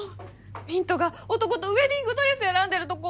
ミントが男とウエディングドレス選んでるとこ。